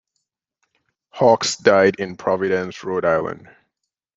Hawkes died in Providence, Rhode Island.